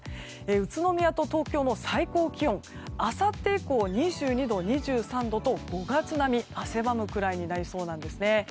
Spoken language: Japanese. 宇都宮と東京の最高気温あさって以降は２２度、２３度と５月並み、汗ばむくらいになりそうなんですね。